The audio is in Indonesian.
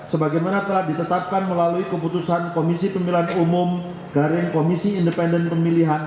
sebagai mana telah ditetapkan melalui kemputusan komisi pemilihan umum provinsi garing komisi independen pemilihan aceh